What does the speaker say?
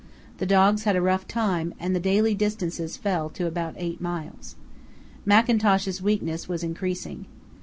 The dogs had a rough time, and the daily distances fell to about eight miles. Mackintosh's weakness was increasing.